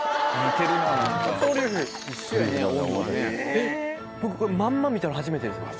えっ僕これまんま見たの初めてです。